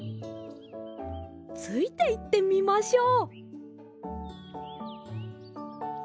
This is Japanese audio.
ついていってみましょう。